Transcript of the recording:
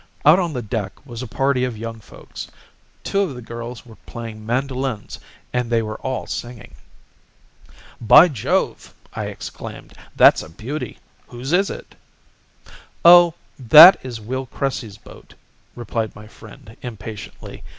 Out on the deck was a party of young folks: two of the girls were playing mandolins and they were all singing. "'By Jove!' I exclaimed. 'That's a beauty! Whose is it?' "'Oh, that is Will Cressy's boat,' replied my friend impatiently.